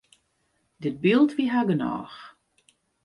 Dit byld wie har genôch.